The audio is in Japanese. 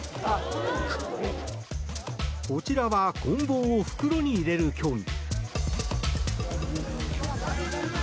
こちらはこん棒を袋に入れる競技。